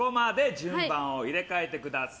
順番を入れ替えてください。